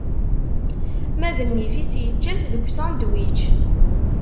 Ma d nnif-is yečča-t deg usandwič.